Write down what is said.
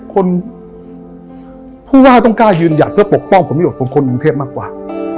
ผู้ว่าต้องกล้ายืนหยัดเพื่อปกป้องผลประโยชน์ของคนกรุงเทพมากกว่า